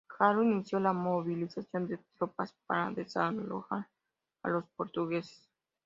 Garro inició la movilización de tropas para desalojar a los portugueses.